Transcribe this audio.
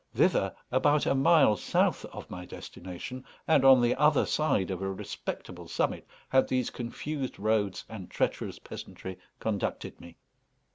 Thither, about a mile south of my destination, and on the other side of a respectable summit, had these confused roads and treacherous peasantry conducted me.